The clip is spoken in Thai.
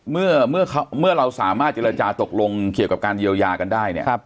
เมื่อเราสามารถเจรจาตกลงเกี่ยวกับการเยียวยากันได้เนี่ย